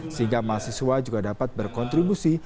sehingga mahasiswa juga dapat berkontribusi